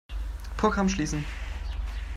Programm schließen.